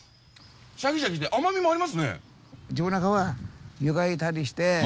シャキシャキして甘みもありますね。